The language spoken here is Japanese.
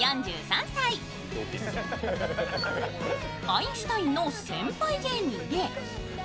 アインシュタインの先輩芸人。